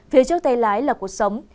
phía trước tay lái là cuộc sống